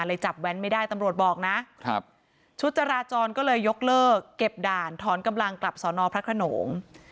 จับแว้นไม่ได้ตำรวจบอกนะครับชุดจราจรก็เลยยกเลิกเก็บด่านถอนกำลังกลับสอนอพระขนง